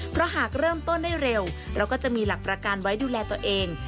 เพราะหากเริ่มต้นได้เร็วเราก็จะมีหลักประกันไว้ดูแลตัวเอง